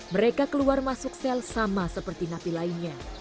mereka keluar masuk sel sama seperti napi lainnya